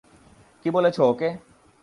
কী বলেছো ওকে?